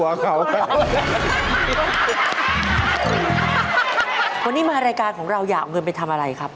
วันนี้มารายการของเราอยากเอาเงินไปทำอะไรครับ